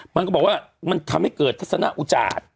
มันก็บอกว่ามันทำให้เกิดทัศนอุจาต